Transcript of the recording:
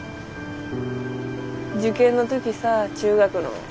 受験の時さ中学の。